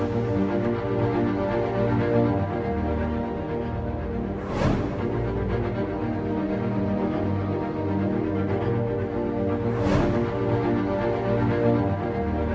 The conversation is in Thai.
โปรดติดตามตอนต่อไป